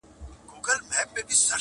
• ډک له اوره مي لړمون دی نازوه مي -